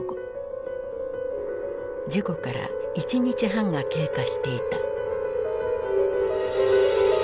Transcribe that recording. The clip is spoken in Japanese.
事故から１日半が経過していた。